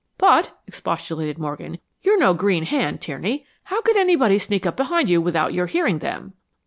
"But," expostulated Morgan, "you're no green hand, Tierney. How could anybody sneak up behind you without your hearing them?"